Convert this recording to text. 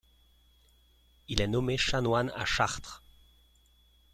Il est nommé chanoine à Chartres.